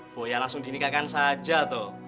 bu yaya langsung dinikahkan saja toh